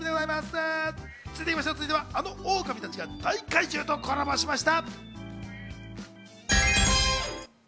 続いては、あの狼たちが大怪獣とコラボしました。